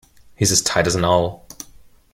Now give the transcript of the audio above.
He's as tight as an owl.